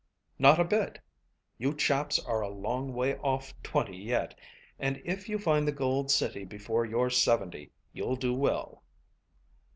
"Not a bit. You chaps are a long way off twenty yet, and if you find the gold city before you're seventy you'll do well."